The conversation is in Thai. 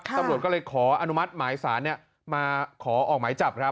ตำรวจก็เลยขออนุมัติหมายสารมาขอออกหมายจับครับ